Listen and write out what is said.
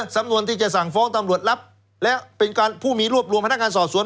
สำนวนที่จะสั่งฟ้องตำรวจรับและเป็นการผู้มีรวบรวมพนักงานสอบสวน